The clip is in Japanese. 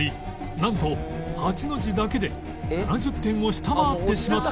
なんと８の字だけで７０点を下回ってしまっていた